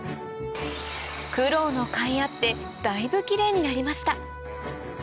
苦労のかいあってだいぶキレイになりました